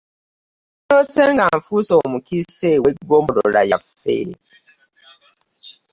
Naloose nga nfuuse omukiise w'eggombolola yaffe.